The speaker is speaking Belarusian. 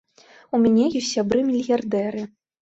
У мяне ёсць сябры мільярдэры.